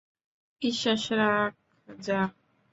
বিশ্বাস রাখ, যা।